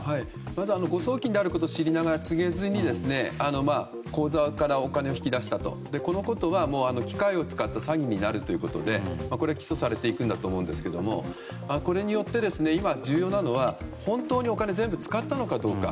まず、誤送金だと知りながら、それを告げずに口座からお金を引き出したということは機械を使った詐欺になるということでこれは起訴されていくと思いますがこれによって今、重要なのは本当にお金を全部使ったのかどうか。